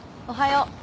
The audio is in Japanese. おはよう。